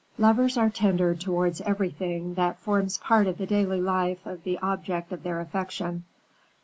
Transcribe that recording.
Lovers are tender towards everything that forms part of the daily life of the object of their affection.